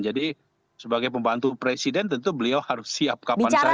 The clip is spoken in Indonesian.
jadi sebagai pembantu presiden tentu beliau harus siap kapan saja berdiskusi dengan presiden